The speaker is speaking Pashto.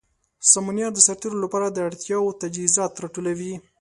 سمونیار د سرتیرو لپاره د اړتیا وړ تجهیزات راټولوي.